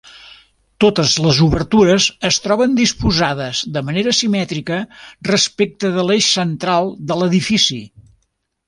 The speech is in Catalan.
Totes les obertures es troben disposades de manera simètrica respecte de l’eix central de l’edifici.